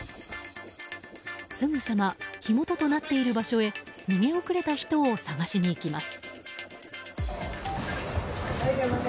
すぐさま火元となっている場所へ逃げ遅れた人を捜しに行きます。